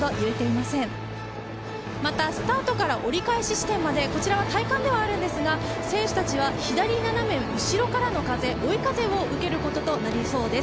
また、スタートから折り返し地点までこちらは体感ではあるんですが選手たちは左斜め後ろからの風、追い風を受けることとなりそうです。